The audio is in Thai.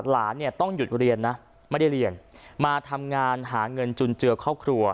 หลานเนี่ยต้องหยุดเรียนนะไม่ได้เรียนมาทำงานหาเงินจุนเจือครอบครัว